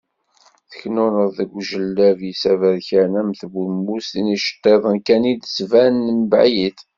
Teknuneḍ deg uǧilbab-is aberkan am twemmust n yiceṭṭiḍen kan i d-tettban mebɛid.